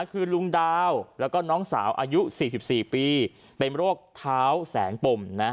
คือลุงดาวแล้วก็น้องสาวอายุ๔๔ปีเป็นโรคเท้าแสนปม